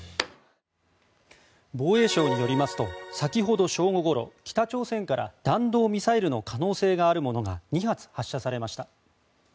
防衛省によりますと先ほど正午ごろ北朝鮮から弾道ミサイルの可能性があるものが２発発射されました。